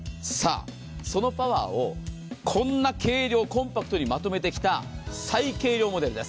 そのパワーをこんな軽量コンパクトにまとめてきた最軽量モデルです。